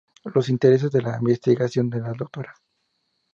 Los intereses en la investigación de la Dra.